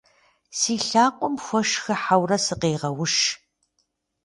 Си лъакъуэм хуэш хыхьэурэ сыкъегъэуш.